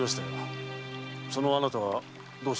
そのあなたがどうして？